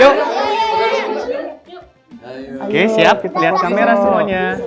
oke siap lihat kamera semuanya